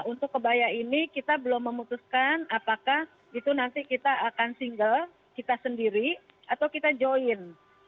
untuk kebaya ini kita belum memutuskan apakah itu nanti kita akan single kita sendiri atau kita join